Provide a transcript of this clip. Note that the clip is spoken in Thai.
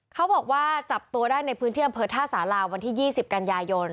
เขาบอกว่าจับตัวได้ในพื้นที่อำเภอท่าสาราวันที่๒๐กันยายน